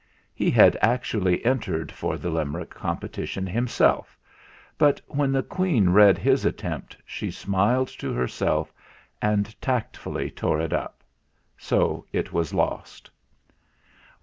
He had actu ally entered for the Limerick competition him self ; but when the Queen read his attempt, she smiled to herself and tactfully tore it up ; so it was lost.